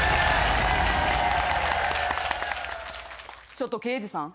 ちょっと刑事さん。